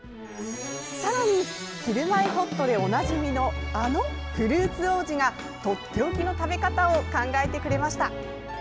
さらに「ひるまえほっと」でおなじみのあのフルーツ王子がとっておきの食べ方を考えてくれました。